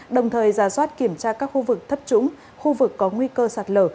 đồng thời giả soát kiểm tra các khu vực thấp trũng khu vực có nguy cơ sạt lở